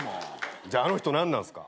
じゃああの人何なんすか？